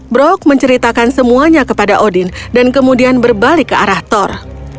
brok menceritakan semuanya kepada odin dan kemudian berbalik ke arah thor